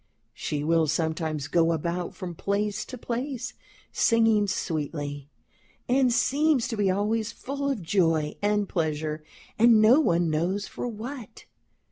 She will sometimes go about from place to place singing sweetly, and seems to be always full of joy and pleasure, and no one knows for what.